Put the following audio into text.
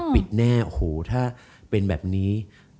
ปิดแน่ถ้าเป็นแบบนี้